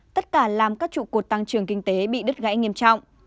tất cả làm các trụ cột tăng trưởng kinh tế bị đứt gãy nghiêm trọng